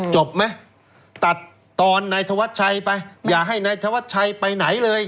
จบไหมตัดตอนนายธวัชชัยไปอย่าให้นายธวัชชัยไปไหนเลย